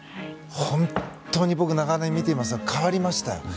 本当に僕、長年見ていますが変わりましたよ。